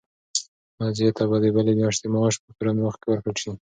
نازیې ته به د بلې میاشتې معاش په پوره وخت ورکړل شي.